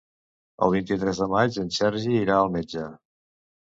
El vint-i-tres de maig en Sergi irà al metge.